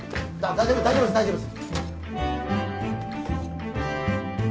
大丈夫です大丈夫です